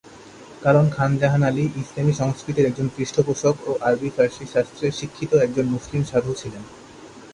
কারণ খান জাহান আলী ইসলামি সংস্কৃতির একজন পৃষ্ঠপোষক ও আরবি ফারসি শাস্ত্রে শিক্ষিত একজন মুসলিম সাধু ছিলেন।